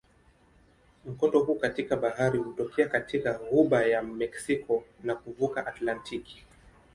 Mkondo huu katika bahari hutokea katika ghuba ya Meksiko na kuvuka Atlantiki.